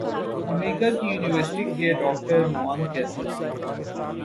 امریکہ کی یونیورسٹی کیے ڈاکٹر موانگ کہتے ہیں